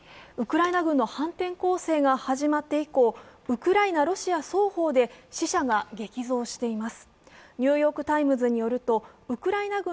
ウクライナ軍の反転攻勢が始まって以降、ウクライナ・ロシア双方で死者が激増しています。